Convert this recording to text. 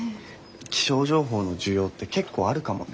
気象情報の需要って結構あるかもね。